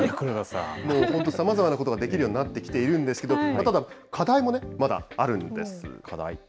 もう本当にさまざまなことができるようになってきているんですけれど、ただ課題もね、まだあるんです、課題。